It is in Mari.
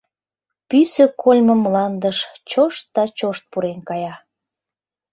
Пӱсӧ кольмо мландыш чошт да чошт пурен кая.